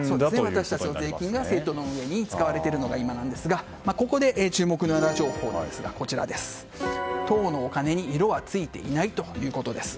私たちの税金が政党の運営に使われているのが今なんですがここで、注目のウラ情報ですが党のお金に色はついていないということです。